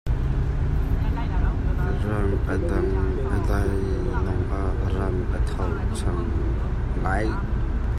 Ral a daih lawngah ram a ṭhangcho lai.